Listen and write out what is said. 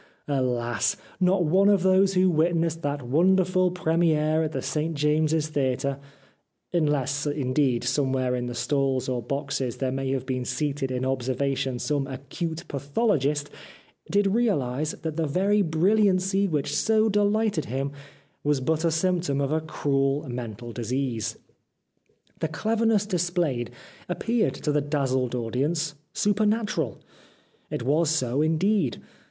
Alas ! not one of those who witnessed that wonderful premiere at the St James's Theatre — unless, indeed, somewhere in the stalls or boxes there may have been seated in observation some acute pathologist — did realise that the very brilliancy which so delighted him was but a symptom of a cruel mental disease. The clever ness displayed appeared to the dazzled audience supernatural. It was so indeed.